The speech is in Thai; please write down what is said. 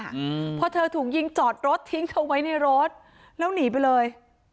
อืมพอเธอถูกยิงจอดรถทิ้งเธอไว้ในรถแล้วหนีไปเลย